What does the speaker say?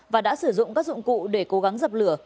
và đã sử dụng các dụng cụ để cố gắng dập lửa